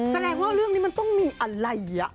แสดงว่าเรื่องนี้มันต้องมีอะไร